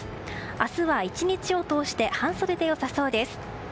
明日は１日を通して半袖で良さそうです。